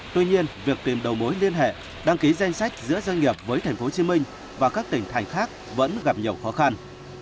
tuy nhiên việc tìm đầu mối liên hệ đăng ký danh sách giữa doanh nghiệp với thành phố hồ chí minh và các tỉnh thành khác vẫn gặp nhiều khó khăn